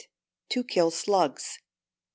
To Kill Slugs (1).